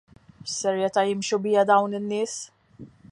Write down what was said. X'serjetà jimxu biha dawn in-nies?!